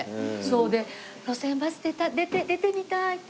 で「『路線バス』出てみたい」って。